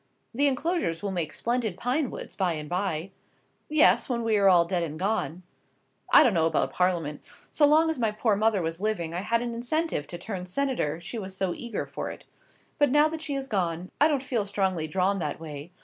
"The enclosures will make splendid pine woods by and by." "Yes, when we are all dead and gone." "I don't know about Parliament. So long as my poor mother was living I had an incentive to turn senator, she was so eager for it. But now that she is gone, I don't feel strongly drawn that way.